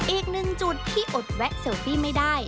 อีกหนึ่งจุดที่อดแวะเซลฟี่ไม่ได้